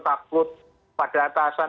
takut pada atasan